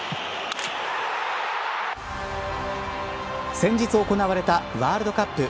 先日行われたワールドカップ。